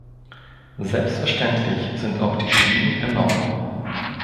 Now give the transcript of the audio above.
Selbstverständlich sind auch die Schäden enorm.